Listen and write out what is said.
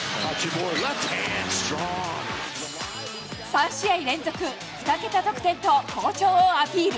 ３試合連続２桁得点と、好調をアピール。